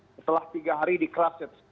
setelah tiga hari di kelas